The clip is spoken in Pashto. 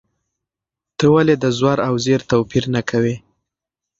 ته ولې د زور او زېر توپیر نه کوې؟